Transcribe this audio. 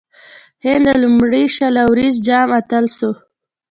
هند د لومړي شل اووريز جام اتل سو.